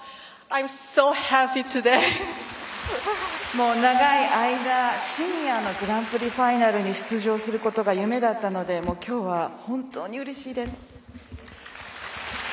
もう長い間シニアのグランプリファイナルに出場することが夢だったので今日は、本当にうれしいです。